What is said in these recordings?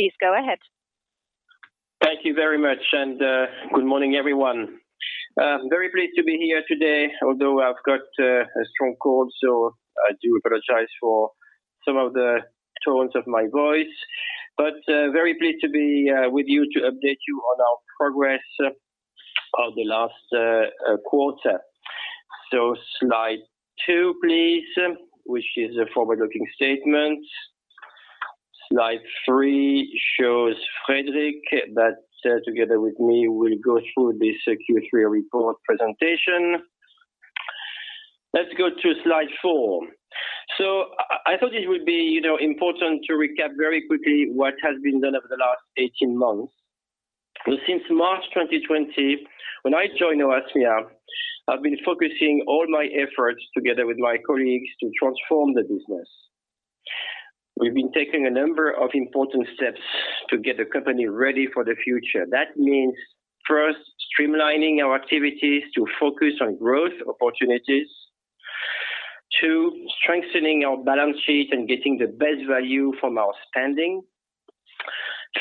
Please go ahead. Thank you very much and good morning, everyone. Very pleased to be here today, although I've got a strong cold, so I do apologize for some of the tones of my voice. Very pleased to be with you to update you on our progress of the last quarter. Slide two, please, which is a forward-looking statement. Slide three shows Fredrik that together with me will go through this Q3 report presentation. Let's go to slide four. I thought it would be, you know, important to recap very quickly what has been done over the last 18 months. Since March 2020, when I joined Oasmia, I've been focusing all my efforts together with my colleagues to transform the business. We've been taking a number of important steps to get the company ready for the future. That means, first, streamlining our activities to focus on growth opportunities. Two, strengthening our balance sheet and getting the best value from our standing.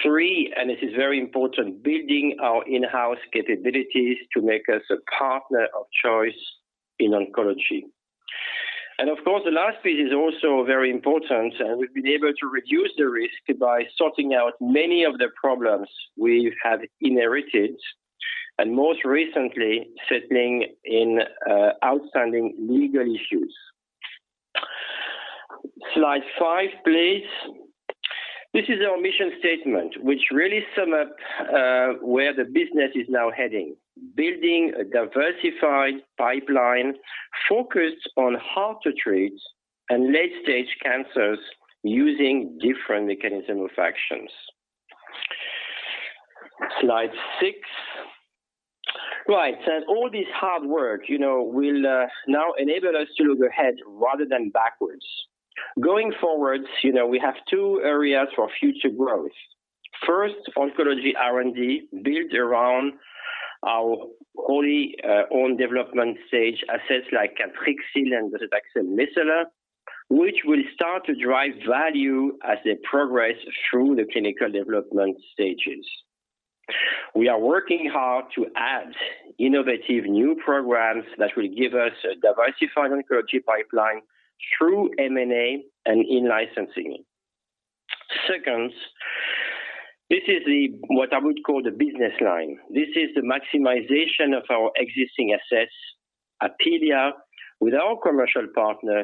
Three, and this is very important, building our in-house capabilities to make us a partner of choice in oncology. Of course, the last bit is also very important, and we've been able to reduce the risk by sorting out many of the problems we have inherited, and most recently, settling outstanding legal issues. Slide five, please. This is our mission statement, which really sums up where the business is now heading, building a diversified pipeline focused on hard-to-treat and late-stage cancers using different mechanisms of action. Slide six. Right. All this hard work, you know, will now enable us to look ahead rather than backwards. Going forward, you know, we have two areas for future growth. First, oncology R&D built around our wholly-owned development stage assets like Cantrixil and Docetaxel micellar, which will start to drive value as they progress through the clinical development stages. We are working hard to add innovative new programs that will give us a diversified oncology pipeline through M&A and in-licensing. Second, this is what I would call the business line. This is the maximization of our existing assets, Apealea, with our commercial partner,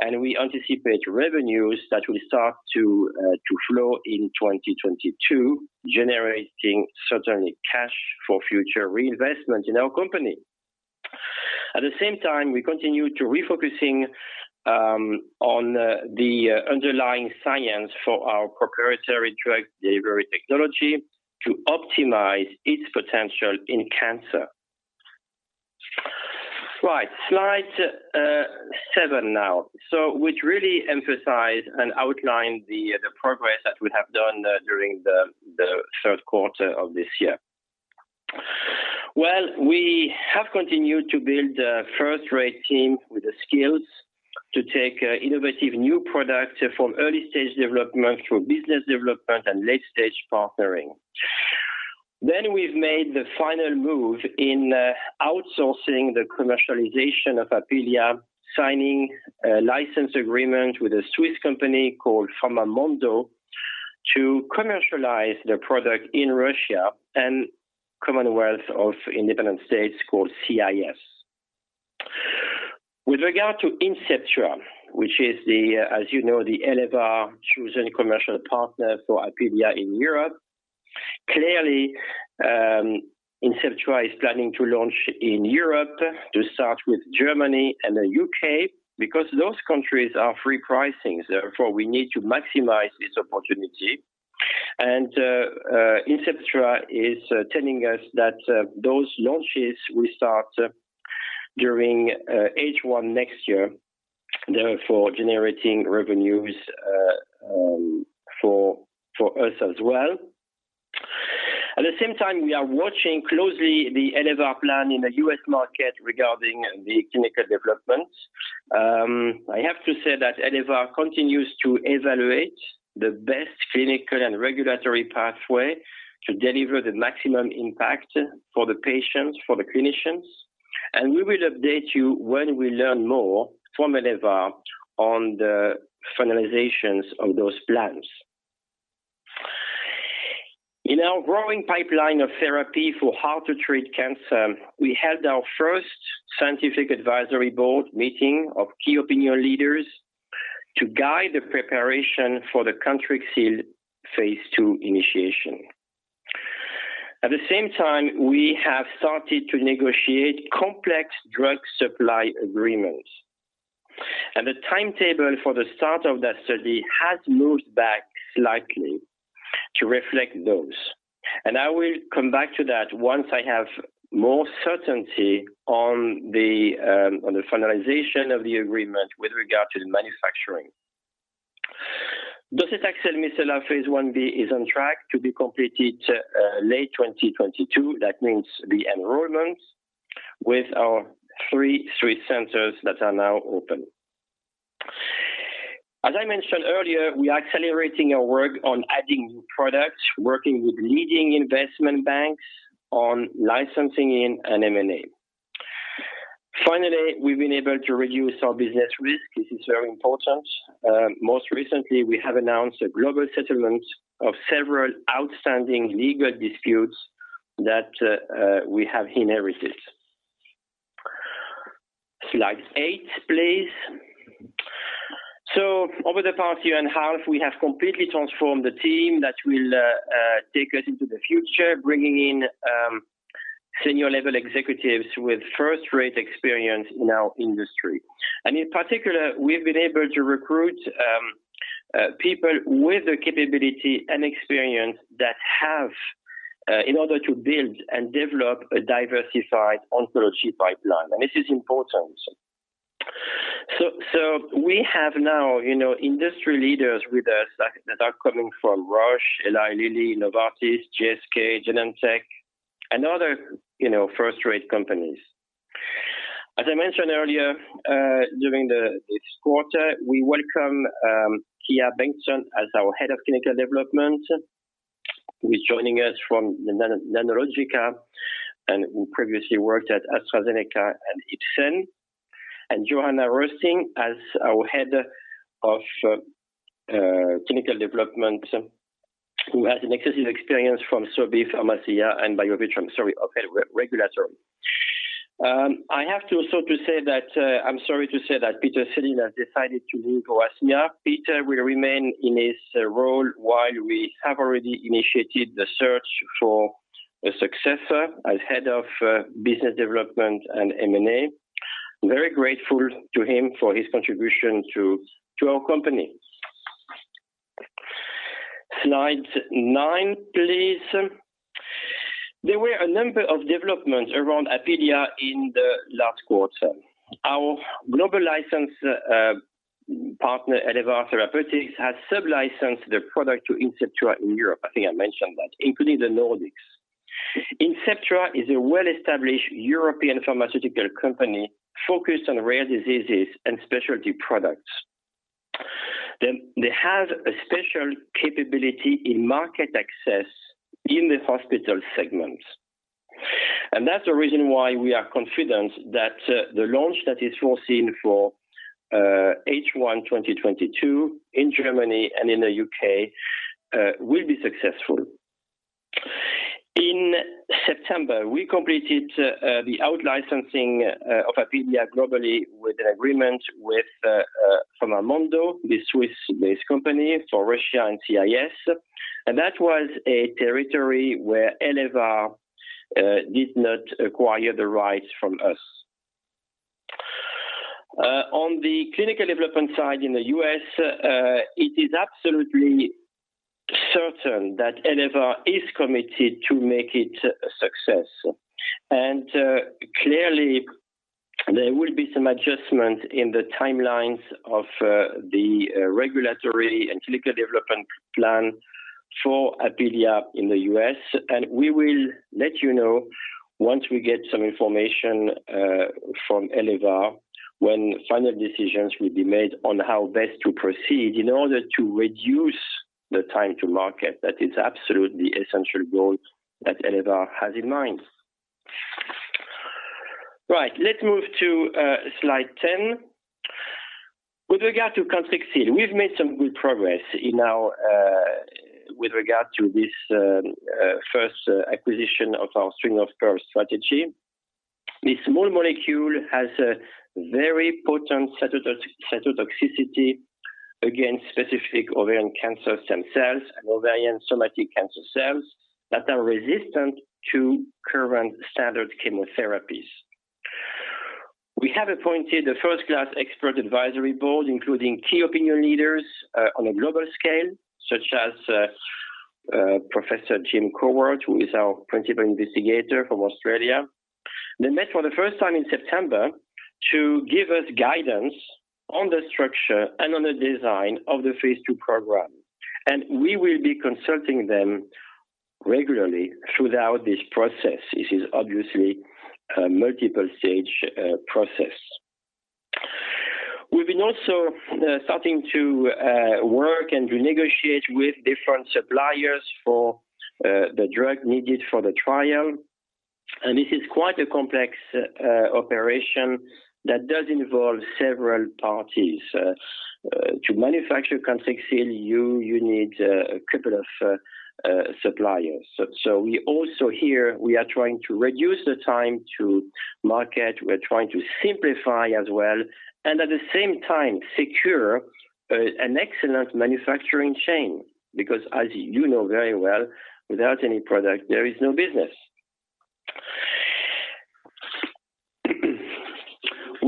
and we anticipate revenues that will start to flow in 2022, generating certainly cash for future reinvestment in our company. At the same time, we continue to refocusing on the underlying science for our proprietary drug delivery technology to optimize its potential in cancer. Right. Slide 7 now. Which really emphasize and outline the progress that we have done during the Q3 of this year. Well, we have continued to build a first-rate team with the skills to take innovative new products from early stage development through business development and late stage partnering. We've made the final move in outsourcing the commercialization of Apealea, signing a license agreement with a Swiss company called FarmaMondo to commercialize the product in Russia and Commonwealth of Independent States called CIS. With regard to Inceptua, which is, as you know, the Elevar chosen commercial partner for Apealea in Europe. Clearly, Inceptua is planning to launch in Europe to start with Germany and the U.K. because those countries are free pricings, therefore we need to maximize this opportunity. Inceptua is telling us that those launches will start during H1 next year, therefore generating revenues for us as well. At the same time, we are watching closely the Elevar plan in the U.S. market regarding the clinical development. I have to say that Elevar continues to evaluate the best clinical and regulatory pathway to deliver the maximum impact for the patients, for the clinicians, and we will update you when we learn more from Elevar on the finalizations of those plans. In our growing pipeline of therapy for hard-to-treat cancer, we held our first scientific advisory board meeting of key opinion leaders to guide the preparation for the Cantrixil phase II initiation. At the same time, we have started to negotiate complex drug supply agreements, and the timetable for the start of that study has moved back slightly to reflect those. I will come back to that once I have more certainty on the finalization of the agreement with regard to the manufacturing. Docetaxel micellar phase I B is on track to be completed late 2022. That means the enrollment with our three sites that are now open. As I mentioned earlier, we are accelerating our work on adding new products, working with leading investment banks on licensing and M&A. Finally, we've been able to reduce our business risk. This is very important. Most recently, we have announced a global settlement of several outstanding legal disputes that we have inherited. Slide eight, please. Over the past year and a half, we have completely transformed the team that will take us into the future, bringing in senior level executives with first-rate experience in our industry. In particular, we've been able to recruit people with the capability and experience that have in order to build and develop a diversified oncology pipeline. This is important. We have now, you know, industry leaders with us that are coming from Roche, Eli Lilly, Novartis, GSK, Genentech, and other, you know, first-rate companies. As I mentioned earlier, this quarter, we welcome Kia Bengtsson as our Head of Clinical Development, who is joining us from Nanexa, and who previously worked at AstraZeneca and Ipsen. Johanna Rostin as our head of clinical development, who has an extensive experience from Sobi, Pharmacia and Biovitrum, regulatory. I have also to say that I'm sorry to say that Peter Selin has decided to leave Oasmia. Peter will remain in his role while we have already initiated the search for a successor as head of business development and M&A. Very grateful to him for his contribution to our company. Slide nine, please. There were a number of developments around Apealea in the last quarter. Our global license partner, Elevar Therapeutics, has sub-licensed their product to Inceptua in Europe, I think I mentioned that, including the Nordics. Inceptua is a well-established European pharmaceutical company focused on rare diseases and specialty products. Then they have a special capability in market access in the hospital segments. That's the reason why we are confident that the launch that is foreseen for H1 2022 in Germany and in the U.K. will be successful. In September, we completed the out-licensing of Apealea globally with an agreement with FarmaMondo, the Swiss-based company for Russia and CIS. That was a territory where Elevar did not acquire the rights from us. On the clinical development side in the U.S., it is absolutely certain that Elevar is committed to make it a success. Clearly there will be some adjustment in the timelines of the regulatory and clinical development plan for Apealea in the U.S. We will let you know once we get some information from Elevar, when final decisions will be made on how best to proceed in order to reduce the time to market. That is absolutely essential goal that Elevar has in mind. Right. Let's move to slide 10. With regard to Cantrixil, we've made some good progress with regard to this first acquisition of our string of pearls strategy. This small molecule has a very potent cytotoxicity against specific ovarian cancer stem cells and ovarian somatic cancer cells that are resistant to current standard chemotherapies. We have appointed a first-class expert advisory board, including key opinion leaders on a global scale, such as Professor Jim Coward, who is our Principal Investigator from Australia. They met for the first time in September to give us guidance on the structure and on the design of the phase II program, and we will be consulting them regularly throughout this process. This is obviously a multiple stage process. We've been also starting to work and renegotiate with different suppliers for the drug needed for the trial. This is quite a complex operation that does involve several parties. To manufacture Cantrixil, you need a couple of suppliers. We also here, we are trying to reduce the time to market. We're trying to simplify as well and at the same time secure an excellent manufacturing chain because as you know very well, without any product, there is no business.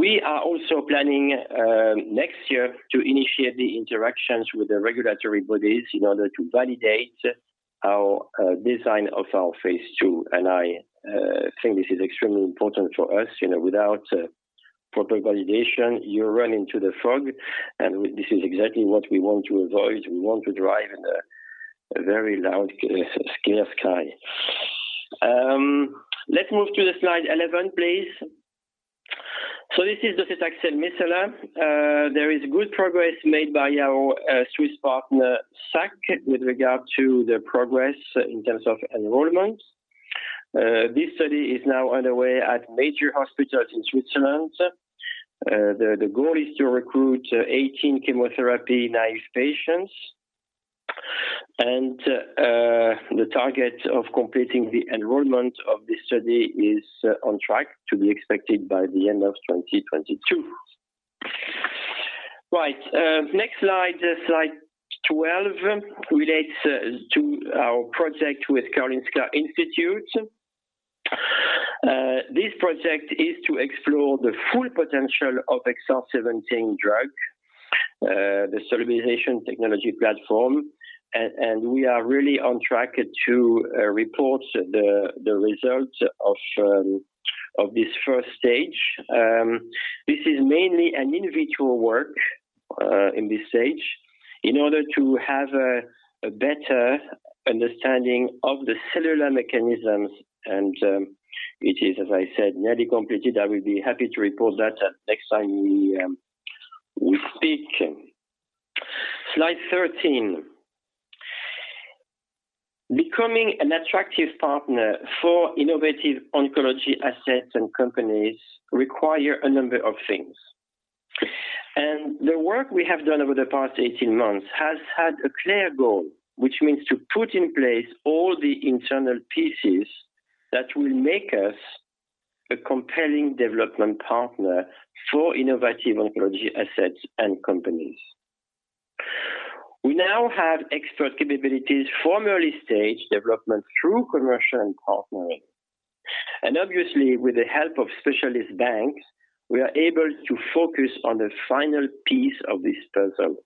We are also planning next year to initiate the interactions with the regulatory bodies in order to validate our design of our phase II. I think this is extremely important for us. You know, without proper validation, you run into the fog. This is exactly what we want to avoid. We want to drive in a very clear sky. Let's move to slide 11, please. This is docetaxel micellar. There is good progress made by our Swiss partner, SAKK, with regard to the progress in terms of enrollment. This study is now underway at major hospitals in Switzerland. The goal is to recruit 18 chemotherapy-naive patients. The target of completing the enrollment of this study is on track to be expected by the end of 2022. Right. Next slide. Slide 12, relates to our project with Karolinska Institutet. This project is to explore the full potential of XR-17, the drug solubilization technology platform. We are really on track to report the results of this first stage. This is mainly an individual work in this stage in order to have a better understanding of the cellular mechanisms. It is, as I said, nearly completed. I will be happy to report that next time we speak. Slide 13. Becoming an attractive partner for innovative oncology assets and companies require a number of things. The work we have done over the past 18 months has had a clear goal, which means to put in place all the internal pieces that will make us a compelling development partner for innovative oncology assets and companies. We now have expert capabilities from early stage development through commercial partnering. Obviously, with the help of specialist banks, we are able to focus on the final piece of this puzzle.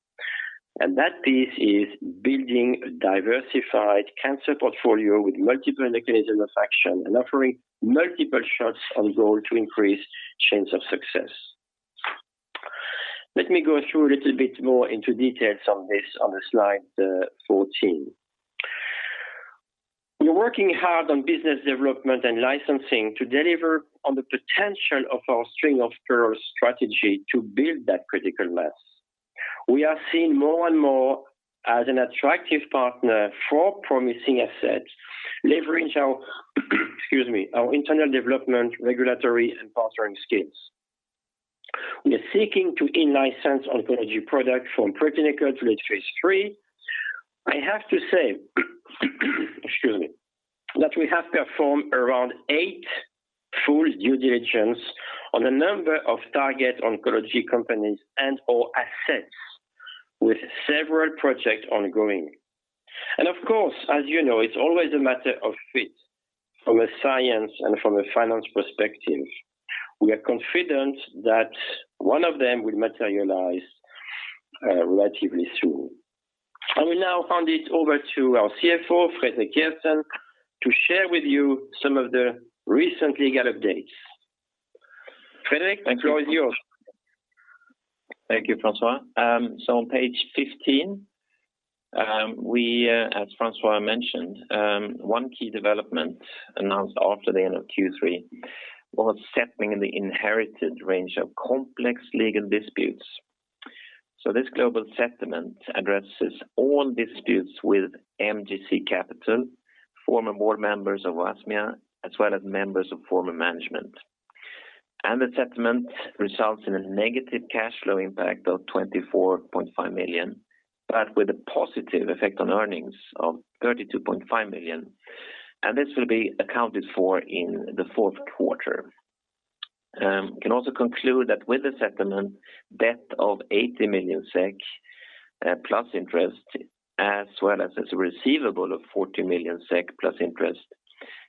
That piece is building a diversified cancer portfolio with multiple mechanisms of action and offering multiple shots on goal to increase chains of success. Let me go through a little bit more into details on this on the slide 14. We're working hard on business development and licensing to deliver on the potential of our string of pearls strategy to build that critical mass. We are seen more and more as an attractive partner for promising assets, leverage our, excuse me, our internal development, regulatory, and partnering skills. We are seeking to in-license oncology products from pre-clinical to late phase III. I have to say, excuse me, that we have performed around 8 full due diligence on a number of target oncology companies and/or assets with several projects ongoing. Of course, as you know, it's always a matter of fit from a science and from a finance perspective. We are confident that one of them will materialize relatively soon. I will now hand it over to our CFO, Fredrik Järrsten, to share with you some of the recent legal updates. Fredrik, the floor is yours. Thank you, François. On page 15, we, as François mentioned, one key development announced after the end of Q3 was settling the inherited range of complex legal disputes. This global settlement addresses all disputes with MGC Capital, former board members of Oasmia, as well as members of former management. The settlement results in a negative cash flow impact of 24.5 million, but with a positive effect on earnings of 32.5 million. This will be accounted for in the Q4. You can also conclude that with the settlement, debt of 80 million SEK plus interest, as well as a receivable of 40 million SEK plus interest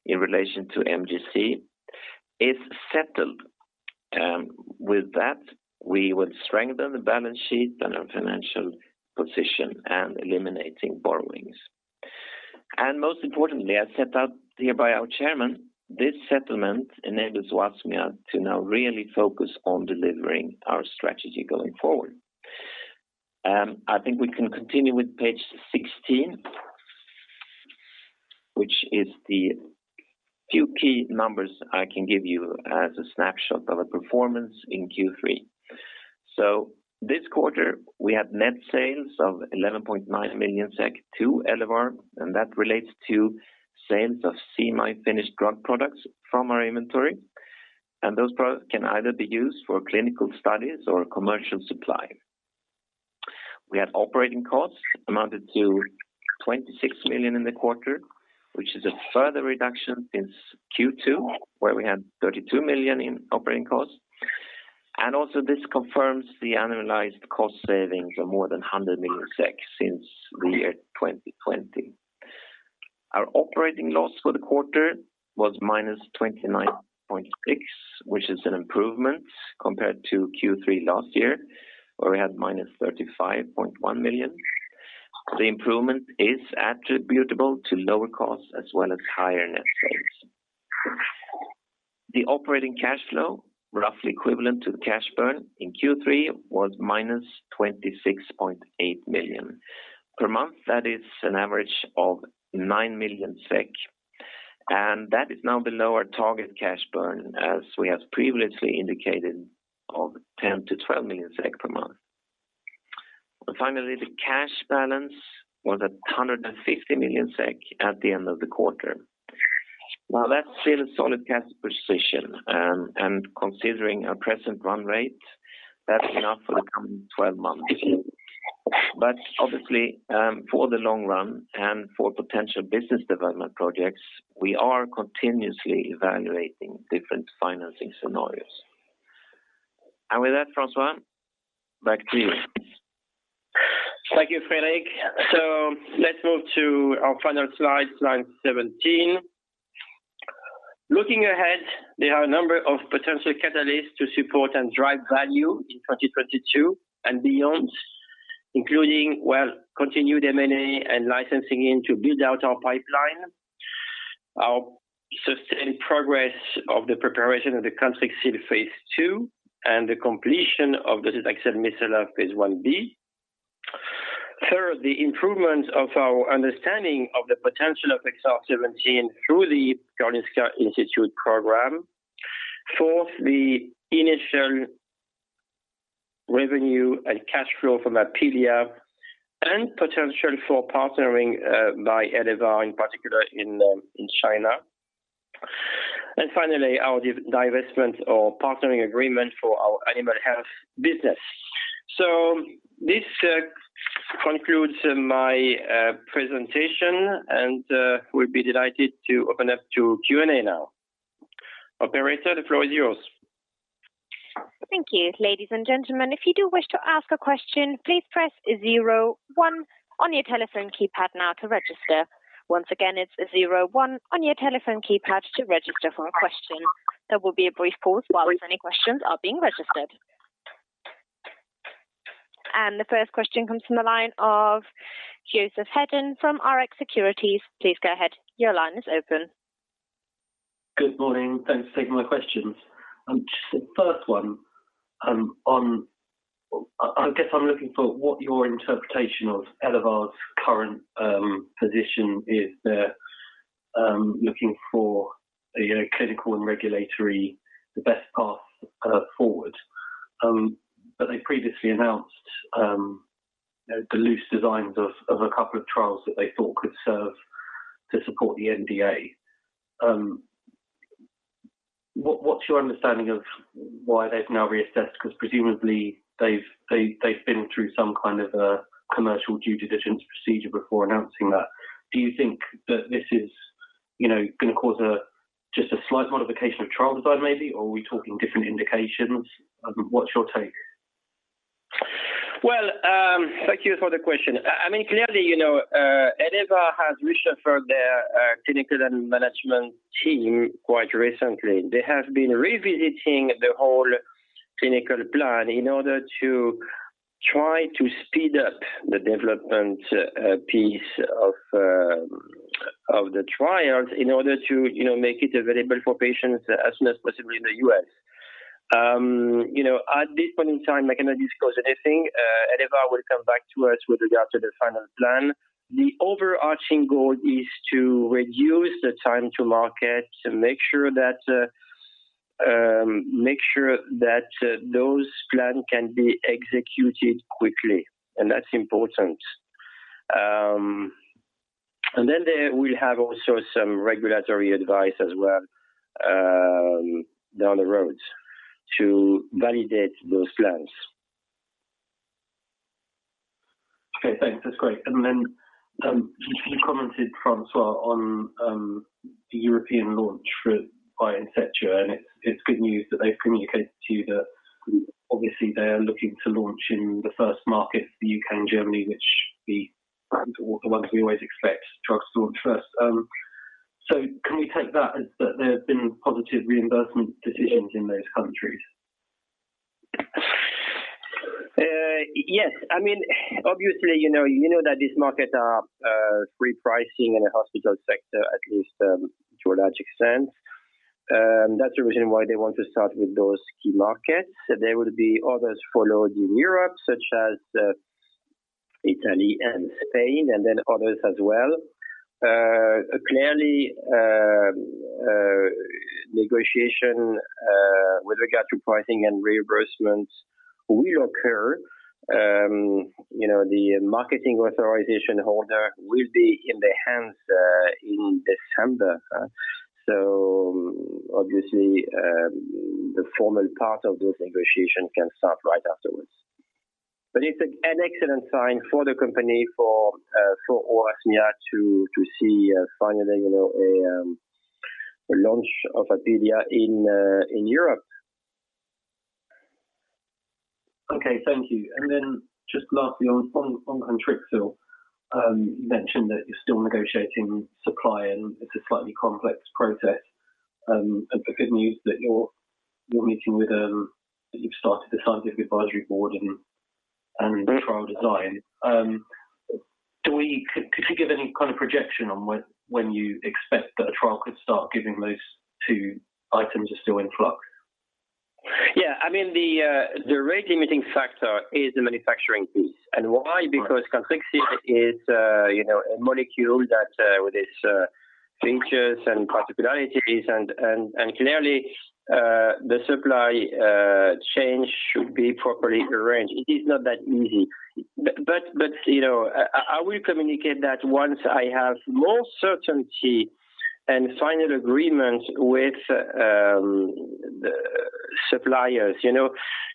in relation to MGC, is settled. With that, we will strengthen the balance sheet and our financial position and eliminating borrowings. Most importantly, as set out by our chairman, this settlement enables Oasmia to now really focus on delivering our strategy going forward. I think we can continue with page 16, which is the few key numbers I can give you as a snapshot of our performance in Q3. This quarter, we had net sales of 11.9 million SEK to Elevar, and that relates to sales of semi-finished drug products from our inventory. Those products can either be used for clinical studies or commercial supply. We had operating costs amounted to 26 million in the quarter, which is a further reduction since Q2, where we had 32 million in operating costs. This confirms the annualized cost savings of more than 100 million SEK since the year 2020. Our operating loss for the quarter was -29.6 million, which is an improvement compared to Q3 last year, where we had -35.1 million. The improvement is attributable to lower costs as well as higher net sales. The operating cash flow, roughly equivalent to the cash burn in Q3, was -26.8 million. Per month, that is an average of 9 million SEK, and that is now below our target cash burn, as we have previously indicated of 10-12 million SEK per month. Finally, the cash balance was at 150 million SEK at the end of the quarter. Now that's still a solid cash position. Considering our present run rate, that's enough for the coming 12 months. Obviously, for the long run and for potential business development projects, we are continuously evaluating different financing scenarios. With that, François, back to you. Thank you, Fredrik. Let's move to our final slide 17. Looking ahead, there are a number of potential catalysts to support and drive value in 2022 and beyond, including, well, continued M&A and licensing in to build out our pipeline. Our sustained progress of the preparation of the Cantrixil phase II and the completion of the Docetaxel micellar phase Ib. Third, the improvement of our understanding of the potential of XR-17 through the Karolinska Institutet program. Fourth, the initial revenue and cash flow from Apealea and potential for partnering by Elevar in particular, in China. Finally, our divestment or partnering agreement for our animal health business. This concludes my presentation, and we'll be delighted to open up to Q&A now. Operator, the floor is yours. Thank you. Ladies and gentlemen, if you do wish to ask a question, please press zero one on your telephone keypad now to register. Once again, it's zero one on your telephone keypad to register for a question. There will be a brief pause while any questions are being registered. The first question comes from the line of Joseph Hedden from Rx Securities. Please go ahead. Your line is open. Good morning. Thanks for taking my questions. Just the first one, I guess I'm looking for what your interpretation of Elevar's current position is. They're looking for, you know, the best clinical and regulatory path forward. But they previously announced, you know, the loose designs of a couple of trials that they thought could serve to support the NDA. What's your understanding of why they've now reassessed? Because presumably they've been through some kind of a commercial due diligence procedure before announcing that. Do you think that this is, you know, gonna cause just a slight modification of trial design maybe, or are we talking different indications? What's your take? Well, thank you for the question. I mean, clearly, you know, Elevar has reshuffled their clinical and management team quite recently. They have been revisiting the whole clinical plan in order to try to speed up the development piece of the trials in order to, you know, make it available for patients as soon as possible in the U.S. You know, at this point in time, I cannot disclose anything. Elevar will come back to us with regard to the final plan. The overarching goal is to reduce the time to market, to make sure that those plans can be executed quickly, and that's important. Then they will have also some regulatory advice as well down the road to validate those plans. Okay, thanks. That's great. You commented, François, on the European launch for Inceptua, and it's good news that they've communicated to you that obviously they are looking to launch in the first market, the U.K. and Germany, which the ones we always expect drugs to launch first. Can we take that as there have been positive reimbursement decisions in those countries? Yes. I mean, obviously, you know that these markets are free pricing in the hospital sector, at least to a large extent. That's the reason why they want to start with those key markets. There will be others followed in Europe, such as Italy and Spain, and then others as well. Clearly, negotiation with regard to pricing and reimbursement will occur. You know, the marketing authorization holder will be in their hands in December. So obviously, the formal part of those negotiations can start right afterwards. It's an excellent sign for the company for Oasmia to see finally, you know, a launch of Apealea in Europe. Okay. Thank you. Just lastly on Cantrixil, you mentioned that you're still negotiating supply and it's a slightly complex process. The good news that you've started the scientific advisory board and Trial design. Could you give any kind of projection on when you expect that a trial could start given those two items are still in flux? Yeah. I mean, the rate limiting factor is the manufacturing piece. Why? Because Cantrixil is, you know, a molecule that with its features and particularities and clearly the supply chain should be properly arranged. It is not that easy. But you know, I will communicate that once I have more certainty and final agreement with the suppliers. You know,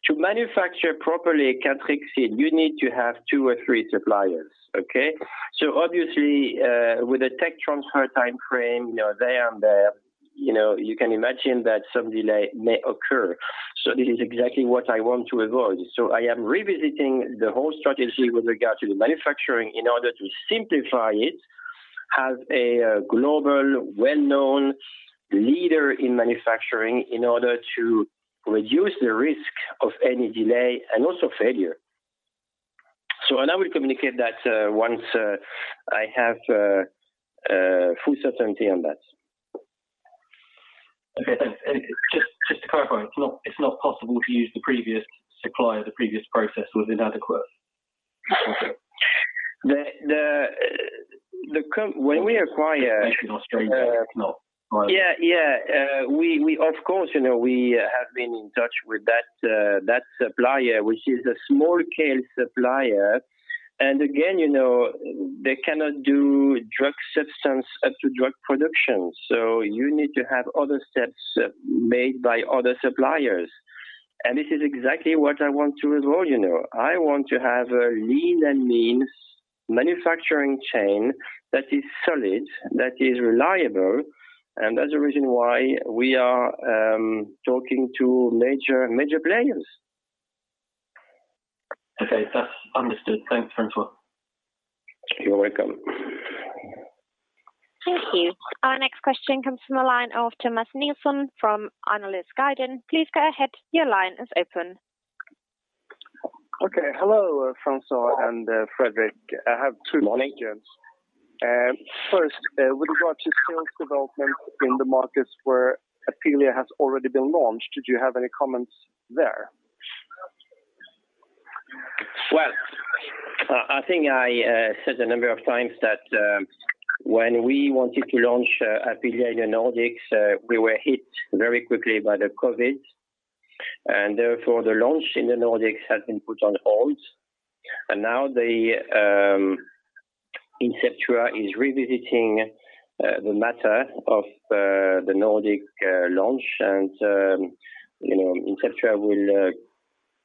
to manufacture properly Cantrixil, you need to have two or three suppliers. Okay? Obviously, with the tech transfer timeframe, you know, here and there, you know, you can imagine that some delay may occur. This is exactly what I want to avoid. I am revisiting the whole strategy with regard to the manufacturing in order to simplify it, have a global well-known leader in manufacturing in order to reduce the risk of any delay and also failure. I will communicate that once I have full certainty on that. Okay, thanks. Just to clarify, it's not possible to use the previous supplier, the previous process was inadequate? When we acquire- Australia if not. Yeah, yeah. We of course, you know, we have been in touch with that supplier, which is a small-scale supplier. Again, you know, they cannot do drug substance up to drug production. You need to have other steps made by other suppliers. This is exactly what I want to avoid, you know. I want to have a lean and mean manufacturing chain that is solid, that is reliable, and that's the reason why we are talking to major players. Okay. That's understood. Thanks, François. You're welcome. Thank you. Our next question comes from the line of Thomas Nielsen from Analyst Guidon. Please go ahead. Your line is open. Okay. Hello, François and Fredrik. I have two questions. Morning. First, with regard to sales development in the markets where Apealea has already been launched, did you have any comments there? Well, I think I said a number of times that when we wanted to launch Apealea in the Nordics, we were hit very quickly by the COVID. Therefore, the launch in the Nordics has been put on hold. Now the Inceptua is revisiting the matter of the Nordic launch. You know, Inceptua will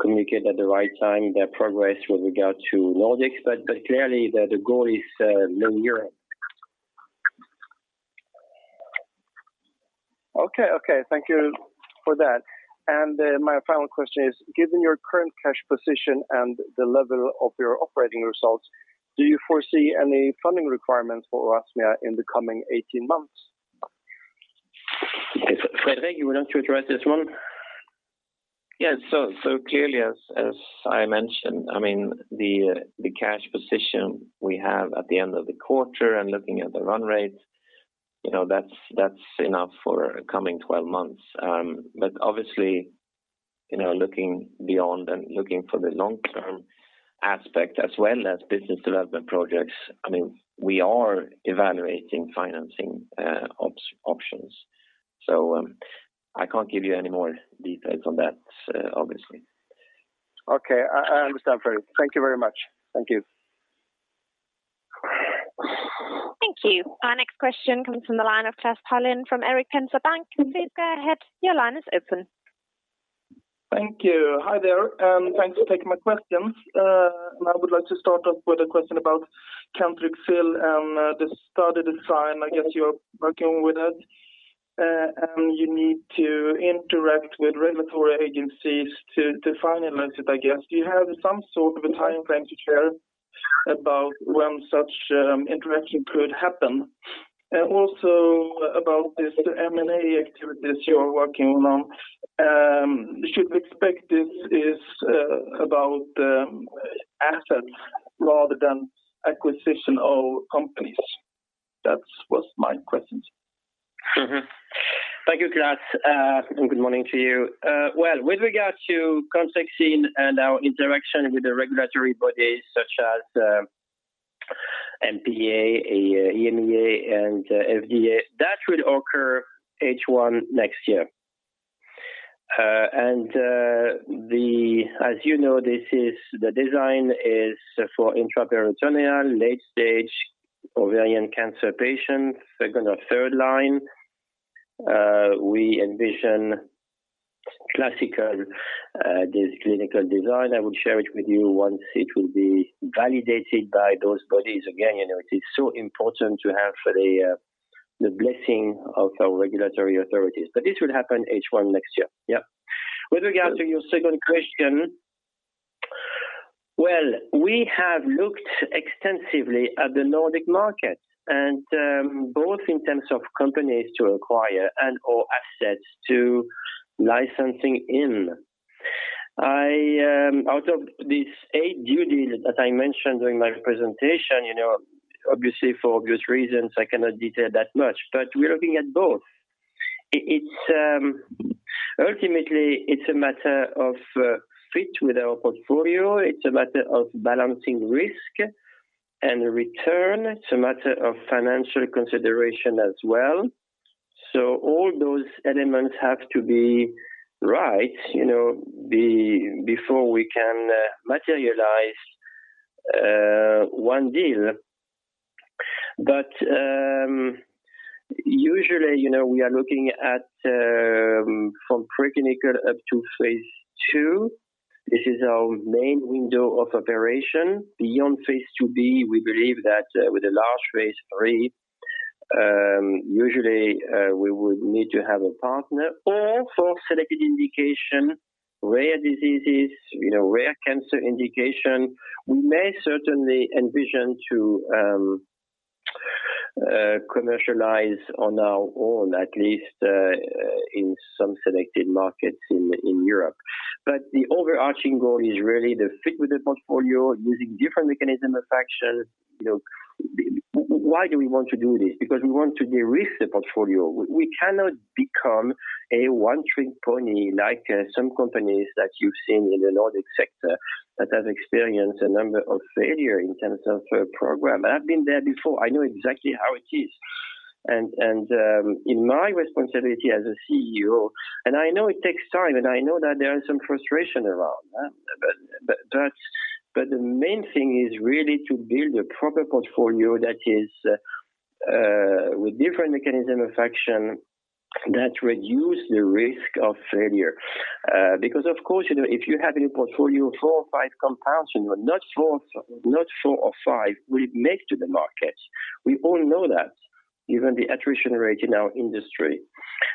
communicate at the right time their progress with regard to Nordics. But clearly the goal is mid-year. Okay. Thank you for that. My final question is, given your current cash position and the level of your operating results, do you foresee any funding requirements for Oasmia in the coming 18 months? Okay. Fredrik, you want to address this one? Yes. Clearly as I mentioned, I mean, the cash position we have at the end of the quarter and looking at the run rates, you know, that's enough for coming 12 months. But obviously, you know, looking beyond and looking for the long-term aspect as well as business development projects, I mean, we are evaluating financing options. I can't give you any more details on that, obviously. Okay. I understand, Fredrik. Thank you very much. Thank you. Thank you. Our next question comes from the line of Clas Pallen from Erik Penser Bank. Please go ahead. Your line is open. Thank you. Hi there, and thanks for taking my questions. I would like to start off with a question about Cantrixil and the study design. I guess you're working with it. You need to interact with regulatory agencies to finalize it, I guess. Do you have some sort of a timeframe to share about when such interaction could happen? And also about this M&A activities you are working on, should we expect this is about assets rather than acquisition of companies? That was my questions. Thank you, Clas, and good morning to you. With regard to Cantrixil and our interaction with the regulatory bodies such as MPA, EMA and FDA, that will occur H1 next year. As you know, this is the design is for intraperitoneal late stage ovarian cancer patients, second or third line. We envision classical this clinical design. I will share it with you once it will be validated by those bodies. Again, you know, it is so important to have the blessing of our regulatory authorities. This will happen H1 next year. Yeah. With regard to your second question, well, we have looked extensively at the Nordic market and both in terms of companies to acquire and or assets to licensing in. Out of these eight new deals that I mentioned during my presentation, you know, obviously for obvious reasons, I cannot detail that much, but we're looking at both. It's ultimately, it's a matter of fit with our portfolio. It's a matter of balancing risk and return. It's a matter of financial consideration as well. So all those elements have to be right, you know, before we can materialize one deal. Usually, you know, we are looking at from preclinical up to phase II. This is our main window of operation. Beyond phase IIb, we believe that with a large phase III, usually we would need to have a partner. For selected indication, rare diseases, you know, rare cancer indication, we may certainly envision to commercialize on our own at least in some selected markets in Europe. The overarching goal is really the fit with the portfolio using different mechanism of action. You know, why do we want to do this? Because we want to de-risk the portfolio. We cannot become a one-trick pony like some companies that you've seen in the Nordic sector that have experienced a number of failure in terms of program. I've been there before. I know exactly how it is. In my responsibility as a CEO, I know it takes time, and I know that there is some frustration around that. The main thing is really to build a proper portfolio that is with different mechanism of action that reduce the risk of failure. Because of course, you know, if you have in your portfolio four or five compounds, you know, not four or five will make to the market. We all know that given the attrition rate in our industry.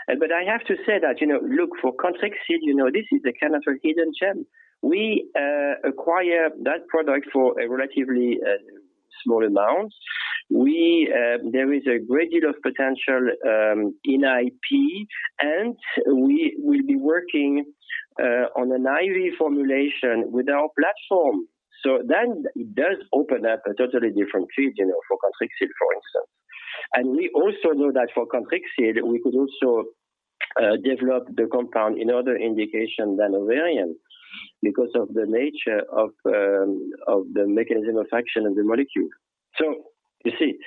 I have to say that, you know, look for Cantrixil, you know, this is a kind of a hidden gem. We acquire that product for a relatively small amount. There is a great deal of potential in IP, and we will be working on an IV formulation with our platform. It does open up a totally different field, you know, for Cantrixil, for instance. We also know that for Cantrixil, we could also develop the compound in other indication than ovarian because of the nature of the mechanism of action and the molecule. You see.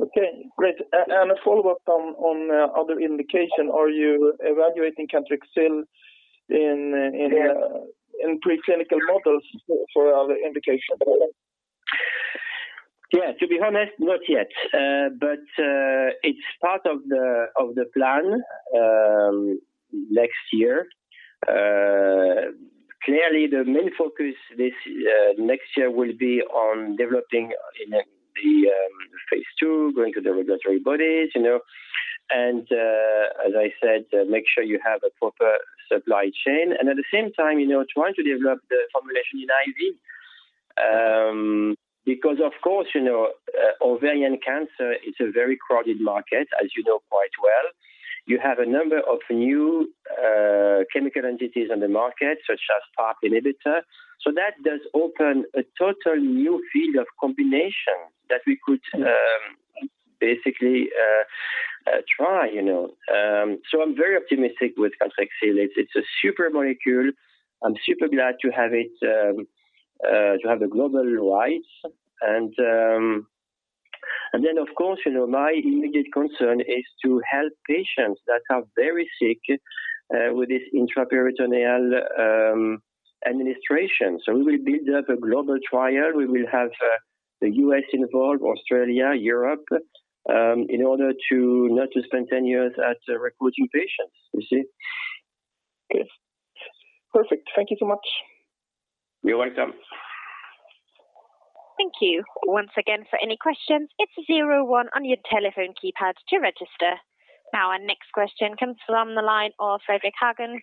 Okay, great. A follow-up on other indication. Are you evaluating Cantrixil in preclinical models for other indication? Yeah. To be honest, not yet. It's part of the plan next year. Clearly, the main focus this next year will be on developing in the phase II, going to the regulatory bodies, you know. As I said, make sure you have a proper supply chain, and at the same time, you know, trying to develop the formulation in IV. Because of course, you know, ovarian cancer is a very crowded market, as you know quite well. You have a number of new chemical entities on the market, such as PARP inhibitor. That does open a total new field of combination that we could basically try, you know. I'm very optimistic with Cantrixil. It's a super molecule. I'm super glad to have the global rights. My immediate concern is to help patients that are very sick with this intraperitoneal administration. We will build up a global trial. We will have the U.S. involved, Australia, Europe, in order not to spend 10 years recruiting patients. You see? Okay. Perfect. Thank you so much. You're welcome. Thank you. Once again, for any questions, hit 01 on your telephone keypad to register. Now our next question comes from the line of Frederick Hagen,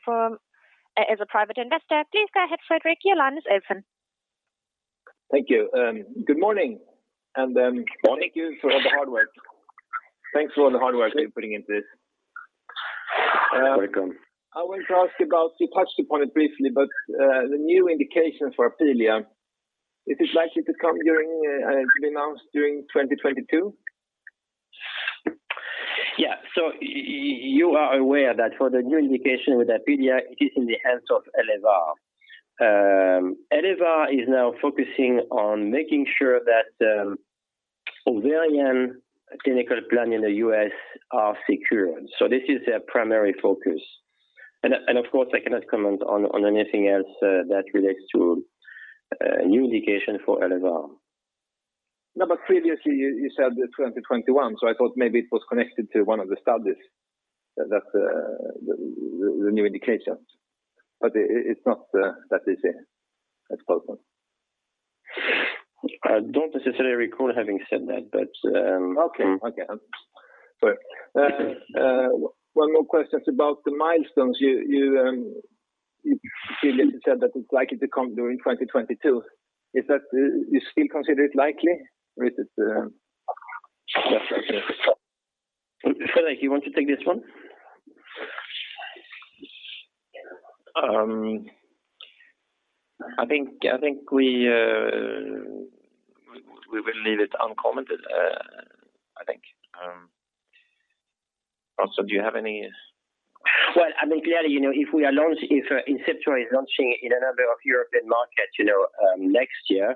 as a private investor. Please go ahead, Frederick. Your line is open. Thank you. Good morning. Morning. Thank you for all the hard work. Thanks for all the hard work you're putting into this. You're welcome. I want to ask about, you touched upon it briefly, but, the new indications for Apealea. Is it likely to come during, to be announced during 2022? You are aware that for the new indication with Apealea, it is in the hands of Elevar. Elevar is now focusing on making sure that ovarian clinical plan in the US are secure. This is their primary focus. Of course, I cannot comment on anything else that relates to a new indication for Elevar. No, previously you said 2021, so I thought maybe it was connected to one of the studies that the new indications. It's not that easy, I suppose. I don't necessarily recall having said that, but. Okay, one more question about the milestones. You said that it's likely to come during 2022. Is that you still consider it likely, or is it? Fredrik, you want to take this one? I think we will leave it uncommented. I think. Also, do you have any? Well, I mean, clearly, you know, if Inceptua is launching in a number of European markets, you know, next year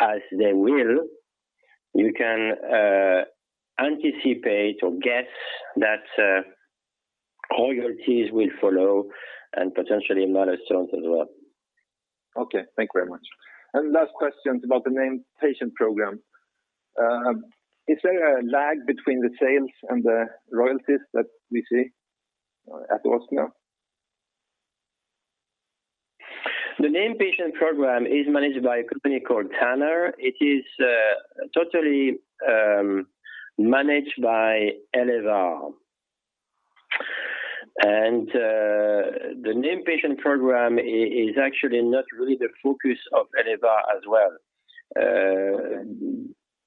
as they will, you can anticipate or guess that royalties will follow and potentially milestones as well. Okay. Thank you very much. Last question about the Named Patient Program. Is there a lag between the sales and the royalties that we see at Oasmia? The named patient program is managed by a company called Tanner. It is totally managed by Elevar. The named patient program is actually not really the focus of Elevar as well.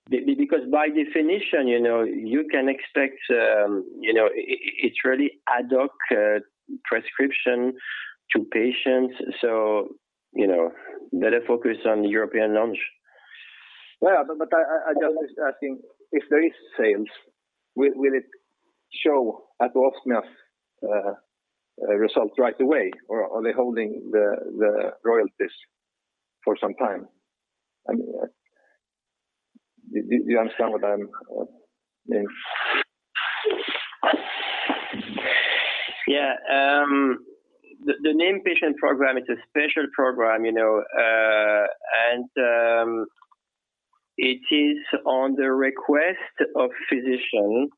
Because by definition, you know, you can expect, you know, it's really ad hoc prescription to patients. You know, better focus on European launch. Well, I'm just asking if there is sales, will it show at Oasmia result right away or are they holding the royalties for some time? I mean, do you understand what I mean? Yeah. The Named Patient Program is a special program, you know, and it is on the request of physician.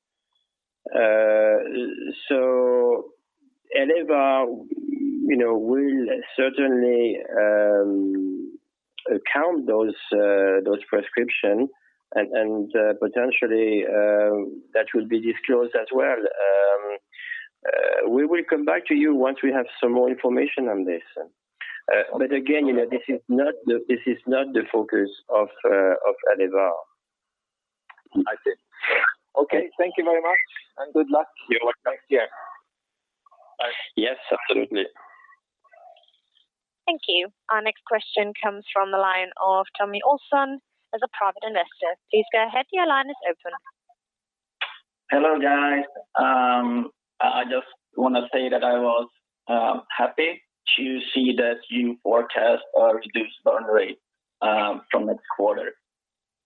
Elevar, you know, will certainly count those prescriptions and potentially that will be disclosed as well. We will come back to you once we have some more information on this. Again, you know, this is not the focus of Elevar. I see. Okay. Thank you very much, and good luck. You're welcome. Next year. Yes, absolutely. Thank you. Our next question comes from the line of Tommy Olson as a private investor. Please go ahead. Your line is open. Hello, guys. I just want to say that I was happy to see that you forecast a reduced burn rate from this quarter.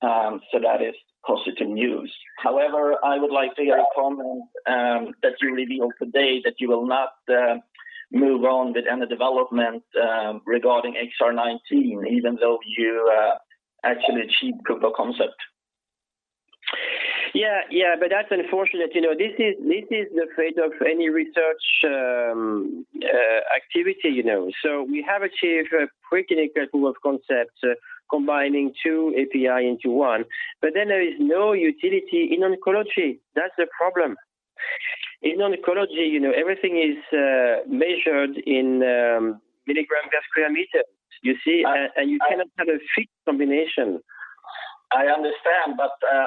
That is positive news. However, I would like to get a comment that you revealed today that you will not move on with any development regarding XR-19, even though you actually achieved proof of concept. Yeah. Yeah. That's unfortunate. You know, this is the fate of any research activity, you know. We have achieved a preclinical proof of concept combining two API into one, but then there is no utility in oncology. That's the problem. In oncology, you know, everything is measured in milligram per square meter. You see? You cannot have a fixed combination. I understand.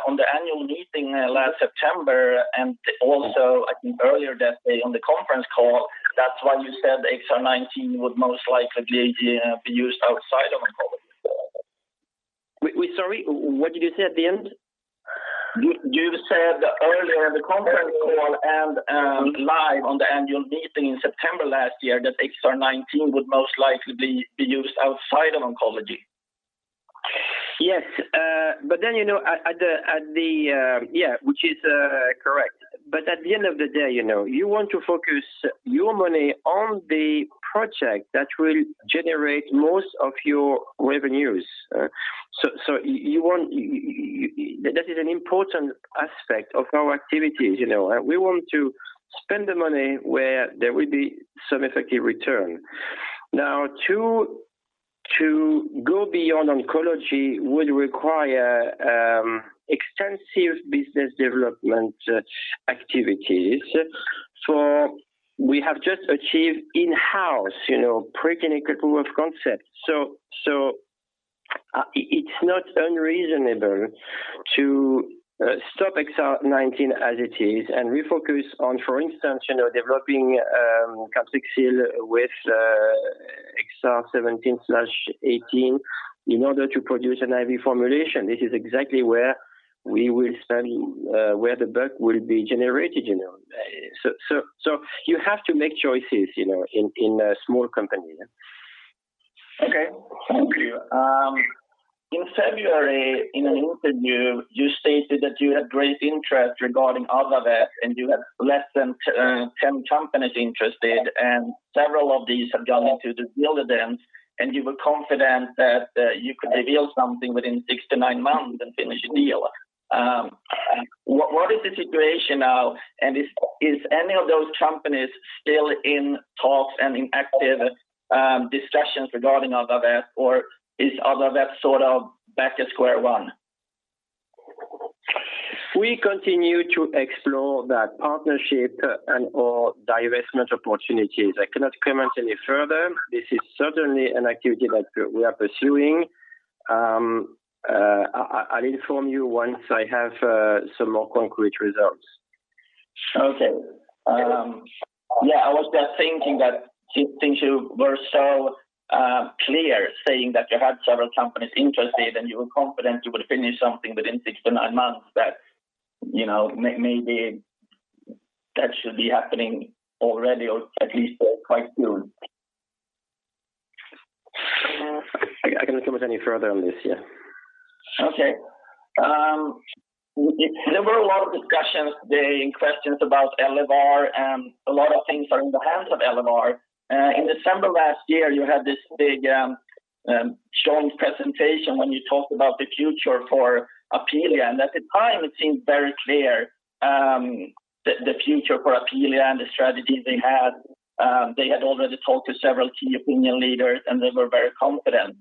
On the annual meeting last September, and also I think earlier that day on the conference call, that's when you said XR-19 would most likely be used outside oncology. Sorry, what did you say at the end? You said earlier in the conference call and live on the annual meeting in September last year that XR-19 would most likely be used outside of oncology. Yes, which is correct. At the end of the day, you know, you want to focus your money on the project that will generate most of your revenues. That is an important aspect of our activities, you know. We want to spend the money where there will be some effective return. Now, to go beyond oncology would require extensive business development activities. We have just achieved in-house, you know, preclinical proof of concept. It's not unreasonable to stop XR-19 as it is and refocus on, for instance, you know, developing Cantrixil with XR-17/18 in order to produce an IV formulation. This is exactly where we will spend, where the buck will be generated, you know. You have to make choices, you know, in a small company. Okay. Thank you. In February, in an interview, you stated that you had great interest regarding Paccal Vet, and you have less than 10 companies interested, and several of these have gone into the data room, and you were confident that you could reveal something within 6-9 months and finish a deal. What is the situation now? Is any of those companies still in talks and in active discussions regarding Paccal Vet, or is Paccal Vet sort of back at square one? We continue to explore that partnership and/or divestment opportunities. I cannot comment any further. This is certainly an activity that we are pursuing. I'll inform you once I have some more concrete results. Okay. Yeah, I was just thinking that since you were so clear saying that you had several companies interested and you were confident you would finish something within 6-9 months that, you know, maybe that should be happening already or at least quite soon. I cannot comment any further on this. Yeah. Okay. There were a lot of discussions today in questions about Elevar, and a lot of things are in the hands of Elevar. In December last year, you had this big, joint presentation when you talked about the future for Apealea. At the time it seemed very clear, the future for Apealea and the strategy they had. They had already talked to several key opinion leaders, and they were very confident.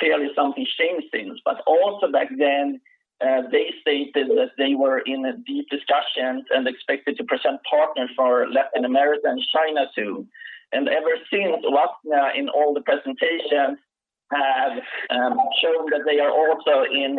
Clearly something changed since. Also back then, they stated that they were in a deep discussions and expected to present partners for Latin America and China too. Ever since last, in all the presentations have shown that they are also in,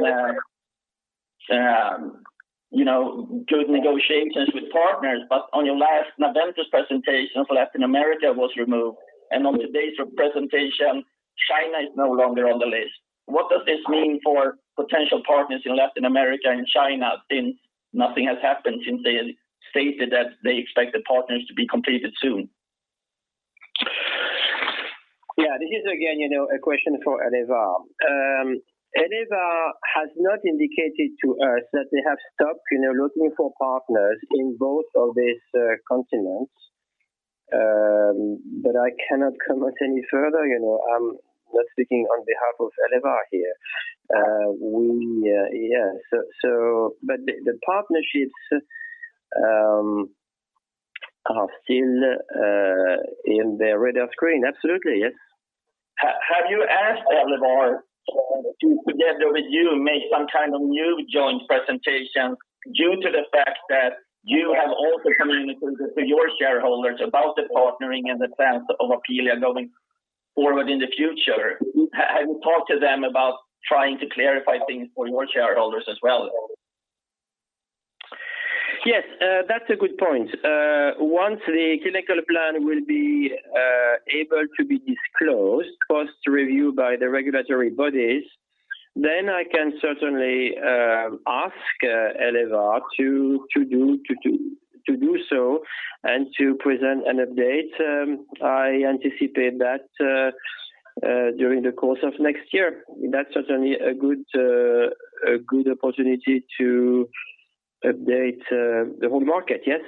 you know, good negotiations with partners. On your last November's presentation for Latin America was removed. On today's presentation, China is no longer on the list. What does this mean for potential partners in Latin America and China since nothing has happened since they stated that they expect the partners to be completed soon? Yeah. This is again, you know, a question for Elevar. Elevar has not indicated to us that they have stopped, you know, looking for partners in both of these continents. I cannot comment any further. You know, I'm not speaking on behalf of Elevar here. Yeah. The partnerships are still on the radar screen. Absolutely. Yes. Have you asked Elevar to together with you make some kind of new joint presentation due to the fact that you have also communicated to your shareholders about the partnering and the plans of Apealea going forward in the future? Have you talked to them about trying to clarify things for your shareholders as well? Yes. That's a good point. Once the clinical plan will be able to be disclosed post review by the regulatory bodies, then I can certainly ask Elevar to do so and to present an update. I anticipate that during the course of next year that's certainly a good opportunity to update the whole market. Yes.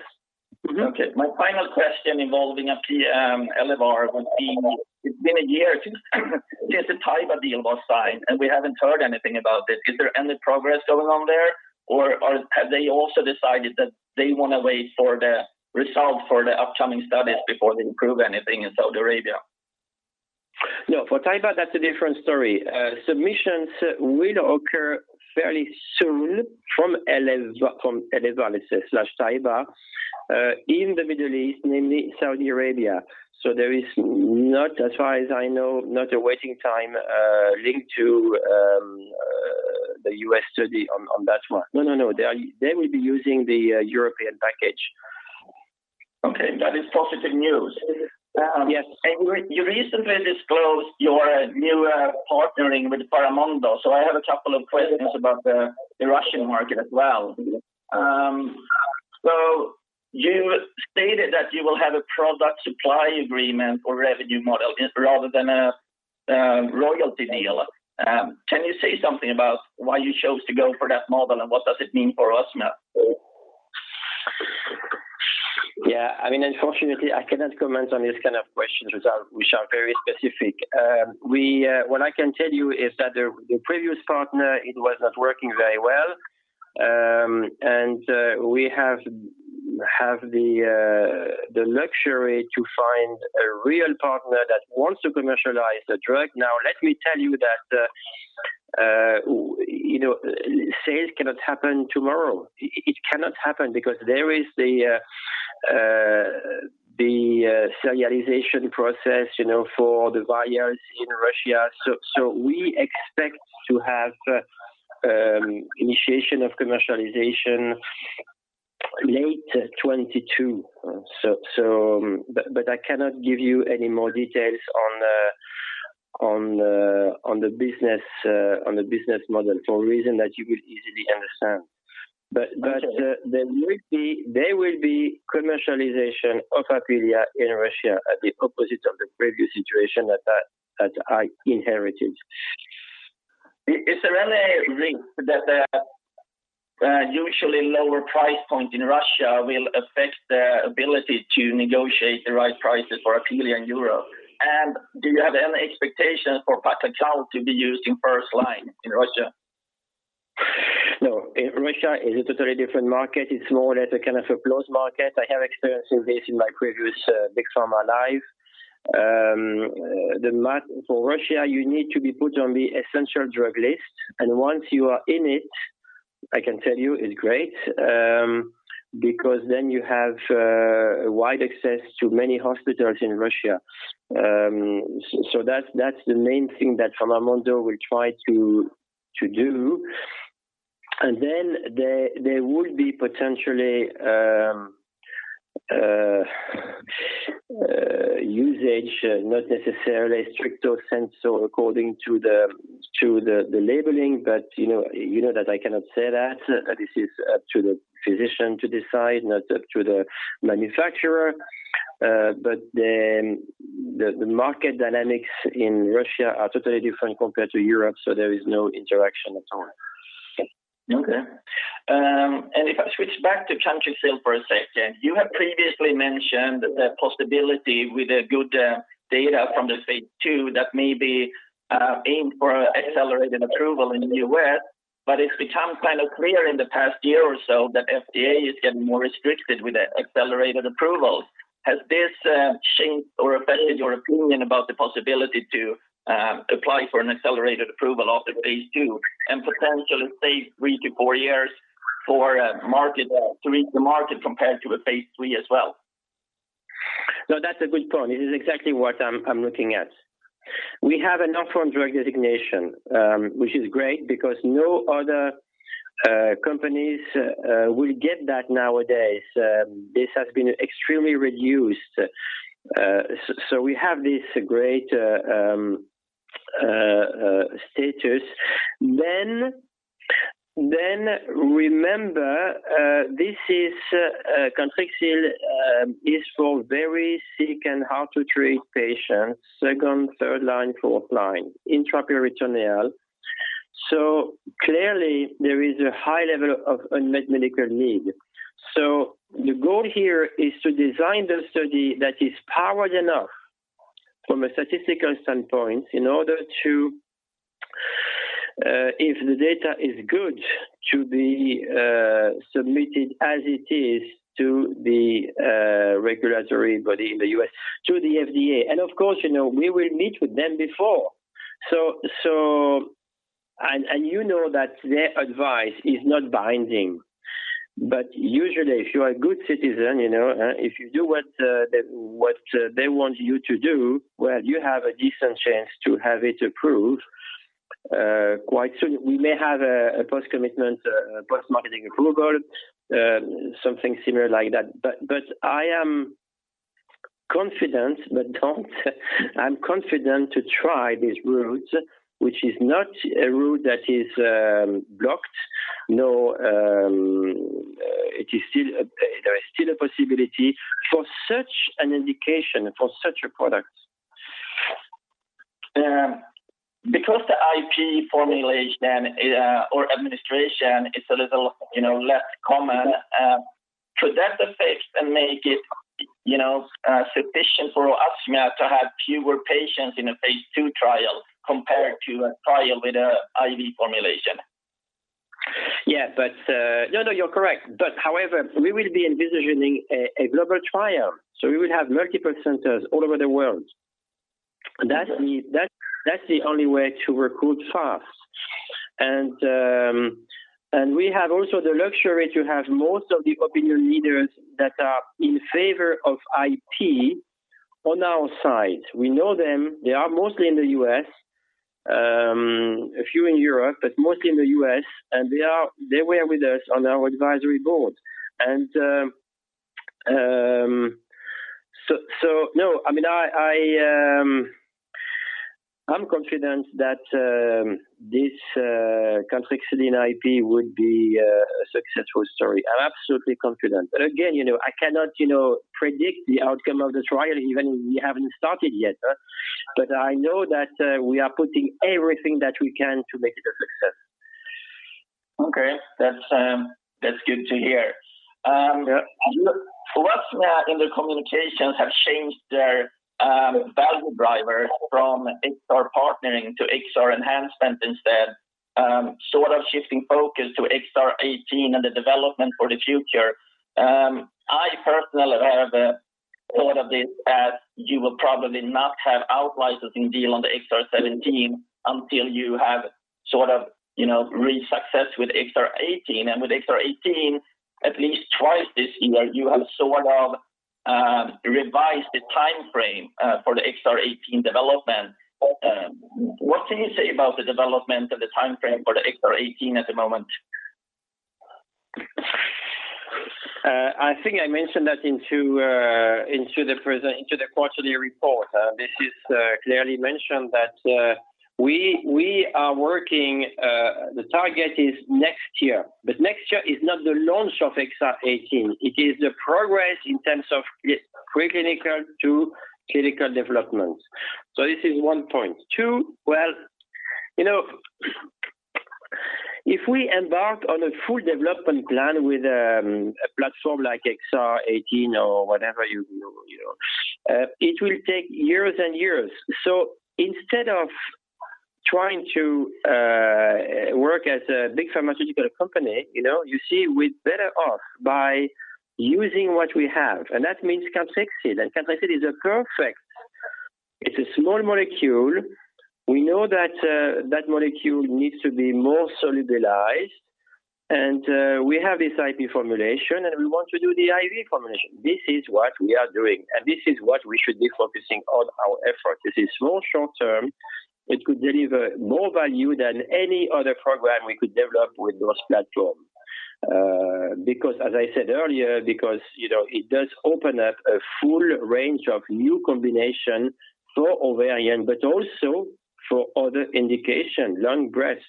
Okay. My final question involving Elevar would be, it's been a year since the Taiba deal was signed, and we haven't heard anything about this. Is there any progress going on there, or have they also decided that they wanna wait for the result for the upcoming studies before they approve anything in Saudi Arabia? No, for Taiba, that's a different story. Submissions will occur fairly soon from Elevar/Taiba in the Middle East, namely Saudi Arabia. There is not, as far as I know, a waiting time linked to the U.S. study on that one. No, no. They will be using the European package. Okay. That is positive news. Yes. You recently disclosed your new partnering with FarmaMondo. I have a couple of questions about the Russian market as well. You stated that you will have a product supply agreement or revenue model rather than a royalty deal. Can you say something about why you chose to go for that model and what does it mean for Oasmia? Yeah, I mean, unfortunately, I cannot comment on these kind of questions which are very specific. What I can tell you is that the previous partner, it was not working very well. We have the luxury to find a real partner that wants to commercialize the drug. Now, let me tell you that, you know, sales cannot happen tomorrow. It cannot happen because there is the serialization process, you know, for the buyers in Russia. We expect to have initiation of commercialization late 2022. I cannot give you any more details on the business model for a reason that you will easily understand. Okay. There will be commercialization of Apealea in Russia as the opposite of the previous situation that I inherited. Is there any risk that the usually lower price point in Russia will affect the ability to negotiate the right prices for Apealea in Europe? Do you have any expectations for Patisiran to be used in first line in Russia? No. Russia is a totally different market. It's more or less a kind of a closed market. I have experience in this in my previous big pharma life. For Russia, you need to be put on the essential drug list, and once you are in it, I can tell you it's great because then you have a wide access to many hospitals in Russia. So that's the main thing that FarmaMondo will try to do. And then there would be potentially usage, not necessarily strict or sense or according to the labeling. But you know, you know that I cannot say that. This is up to the physician to decide, not up to the manufacturer. The market dynamics in Russia are totally different compared to Europe, so there is no interaction at all. Okay. If I switch back to Cantrixil for a second, you have previously mentioned the possibility with good data from the phase II that may be aimed for accelerated approval in the U.S. It's become kind of clear in the past year or so that FDA is getting more restricted with the accelerated approval. Has this changed or affected your opinion about the possibility to apply for an accelerated approval of the phase II and potentially save three to four years to reach the market compared to a phase III as well? No, that's a good point. This is exactly what I'm looking at. We have an orphan drug designation, which is great because no other companies will get that nowadays. This has been extremely reduced. We have this great status. Remember, this is Cantrixil is for very sick and hard-to-treat patients, second-, third-, fourth-line, intraperitoneal. Clearly there is a high level of unmet medical need. The goal here is to design the study that is powered enough from a statistical standpoint in order to if the data is good to be submitted as it is to the regulatory body in the U.S., to the FDA. Of course, you know, we will meet with them before. You know that their advice is not binding. Usually, if you are a good citizen, you know, if you do what they want you to do, well, you have a decent chance to have it approved quite soon. We may have a post-commitment post-marketing approval, something similar like that. I am confident to try these routes, which is not a route that is blocked. No, there is still a possibility for such an indication, for such a product. Because the IP formulation or administration is a little, you know, less common, could that affect and make it, you know, sufficient for AstraZeneca to have fewer patients in a phase II trial compared to a trial with a IV formulation? Yeah. No, no, you're correct. However, we will be envisioning a global trial. We will have multiple centers all over the world. That's the only way to recruit fast. We have also the luxury to have most of the opinion leaders that are in favor of IP on our side. We know them. They are mostly in the U.S., a few in Europe, but mostly in the U.S., and they were with us on our advisory board. I mean, I'm confident that this Cantrixil IP would be a successful story. I'm absolutely confident. Again, you know, I cannot, you know, predict the outcome of this trial even if we haven't started yet. I know that we are putting everything that we can to make it a success. Okay. That's good to hear. Yeah. For Oasmia in the communications have changed their value drivers from XR partnering to XR enhancement instead, sort of shifting focus to XR-18 and the development for the future. I personally have thought of this as you will probably not have outlicensing deal on the XR-17 until you have sort of, you know, real success with XR-18. With XR-18, at least twice this year, you have sort of revised the timeframe for the XR-18 development. What can you say about the development of the timeframe for the XR-18 at the moment? I think I mentioned that in the quarterly report. It is clearly mentioned that we are working; the target is next year. Next year is not the launch of XR-18; it is the progress in terms of pre-clinical to clinical development. This is one point. Two, well, you know, if we embark on a full development plan with a platform like XR-18 or whatever, you know, it will take years and years. Instead of trying to work as a big pharmaceutical company, you know, you see we're better off by using what we have, and that means Cantrixil. Cantrixil is a perfect. It's a small molecule. We know that molecule needs to be more solubilized. And we have this IV formulation, and we want to do the IV formulation. This is what we are doing, and this is what we should be focusing on our effort. This is more short-term. It could deliver more value than any other program we could develop with those platform. You know, it does open up a full range of new combination for ovarian but also for other indication, lung, breast,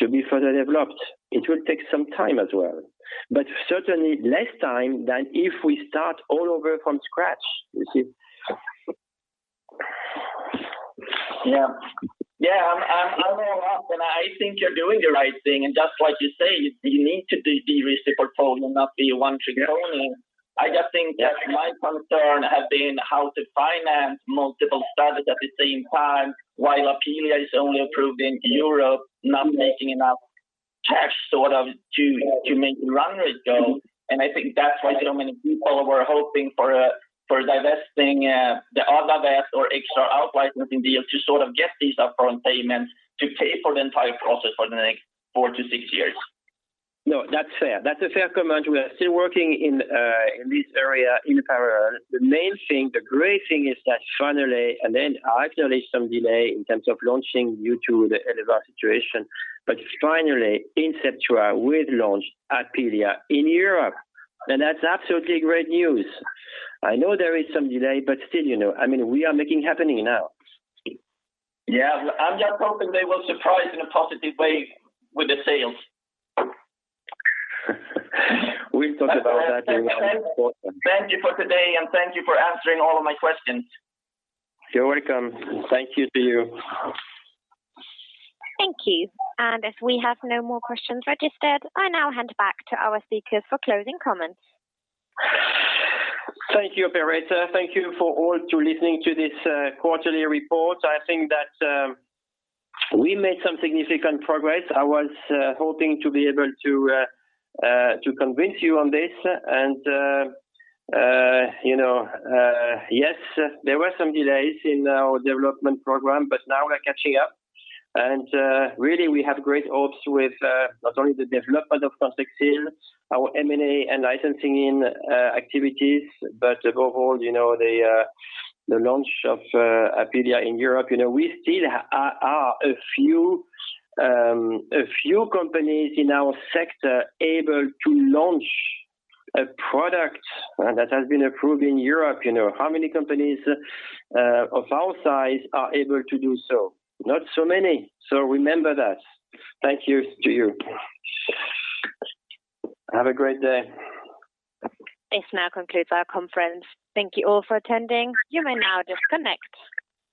to be further developed. It will take some time as well, but certainly less time than if we start all over from scratch. You see? Yeah. Yeah. I'm all up, and I think you're doing the right thing. Just like you say, you need to be reciprocal, not be one-trick pony. I just think that my concern has been how to finance multiple studies at the same time while Apealea is only approved in Europe, not making enough cash sort of to make the run rate go. I think that's why so many people were hoping for for divesting the other assets or extra outright licensing deals to sort of get these upfront payments to pay for the entire process for the next 4-6 years. No, that's fair. That's a fair comment. We are still working in this area in parallel. The main thing, the great thing is that finally actually some delay in terms of launching due to the Elevar situation. Finally, Inceptua will launch Apealea in Europe. That's absolutely great news. I know there is some delay, but still, you know. I mean, we are making it happen now. Yeah. I'm just hoping they will surprise in a positive way with the sales. We'll talk about that in our report. Thank you for today, and thank you for answering all of my questions. You're welcome. Thank you to you. Thank you. As we have no more questions registered, I now hand back to our speakers for closing comments. Thank you, operator. Thank you all for listening to this quarterly report. I think that we made some significant progress. I was hoping to be able to convince you on this and you know yes there were some delays in our development program but now we're catching up. Really we have great hopes with not only the development of Cantrixil, our M&A and licensing activities, but above all you know the launch of Apealea in Europe. You know, we still are one of the few companies in our sector able to launch a product that has been approved in Europe. You know, how many companies of our size are able to do so? Not so many. Remember that. Thank you all. Have a great day. This now concludes our conference. Thank you all for attending. You may now disconnect.